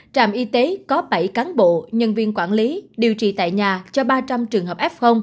trạm y tế có bảy cán bộ nhân viên quản lý điều trị tại nhà cho ba trăm linh trường hợp f